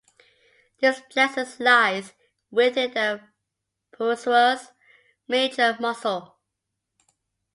This plexus lies within the psoas major muscle.